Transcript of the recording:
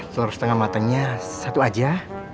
telur setengah matangnya satu aja